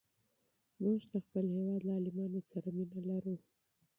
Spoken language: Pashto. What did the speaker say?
موږ د خپل هېواد له عالمانو سره مینه لرو.